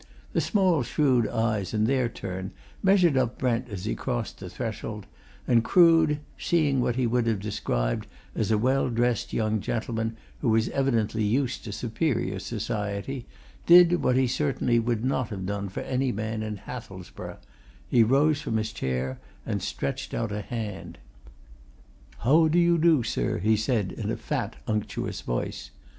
The small shrewd eyes, in their turn, measured up Brent as he crossed the threshold, and Crood, seeing what he would have described as a well dressed young gentleman who was evidently used to superior society, did what he would certainly not have done for any man in Hathelsborough he rose from his chair and stretched out a hand. "How do you do, sir?" he said in a fat, unctuous voice.